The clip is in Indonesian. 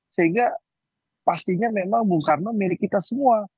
sehingga pastinya memang bung karno milik kita semua